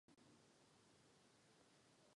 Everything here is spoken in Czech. V podstatě každý region Mexika má svá typická jídla.